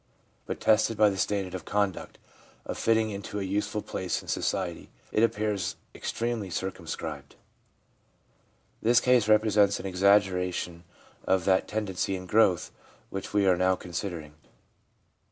But tested by the standard of conduct, of fitting into a useful place in society, it appears extremely circumscribed. This case represents an exaggeration of that tendency in growth which we are now considering.